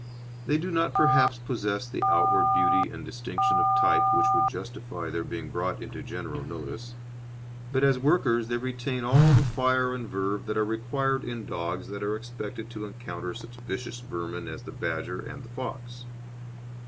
They do not perhaps possess the outward beauty and distinction of type which would justify their being brought into general notice, but as workers they retain all the fire and verve that are required in dogs that are expected to encounter such vicious vermin as the badger and the fox.